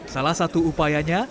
salah satu upayanya